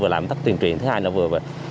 làm tất tiền truyền thứ hai là vừa